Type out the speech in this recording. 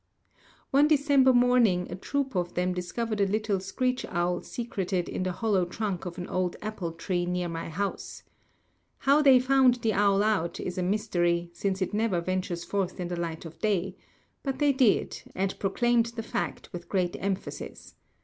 One December morning a troop of them discovered a little screech owl secreted in the hollow trunk of an old apple tree near my house. How they found the owl out is a mystery, since it never ventures forth in the light of day; but they did, and proclaimed the fact with great emphasis.